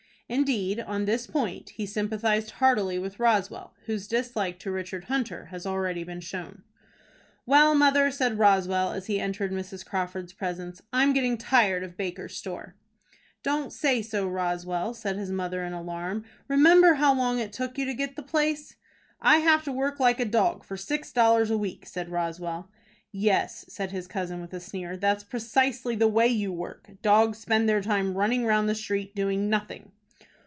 Indeed, on this point, he sympathized heartily with Roswell, whose dislike to Richard Hunter has already been shown. "Well, mother," said Roswell, as he entered Mrs. Crawford's presence, "I'm getting tired of Baker's store." "Don't say so, Roswell," said his mother, in alarm. "Remember how long it took you to get the place." "I have to work like a dog for six dollars a week," said Roswell. "Yes," said his cousin, with a sneer, "that's precisely the way you work. Dogs spend their time running round the street doing nothing."